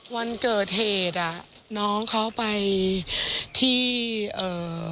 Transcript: วันเกิดเหตุอ่ะน้องเขาไปที่เอ่อ